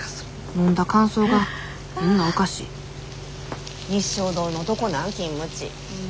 飲んだ感想がみんなおかしい日粧堂のどこなん？